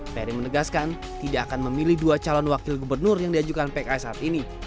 ferry menegaskan tidak akan memilih dua calon yang berpengalaman